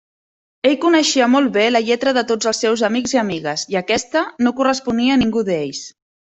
Ell coneixia molt bé la lletra de tots els seus amics i amigues i aquesta no corresponia a ningú d'ells.